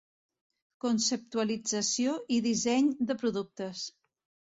Conceptualització i disseny de productes.